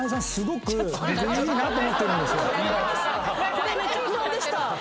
これめっちゃ不安でした。